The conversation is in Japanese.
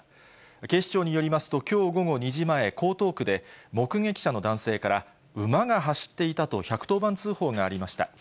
警視庁によりますときょう午後２時前、江東区で、目撃者の男性から、馬が走っていたと１１０番通報がありました。